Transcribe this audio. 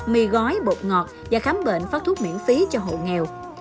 mì gói bột ngọt và khám bệnh phát thuốc miễn phí cho hộ nghèo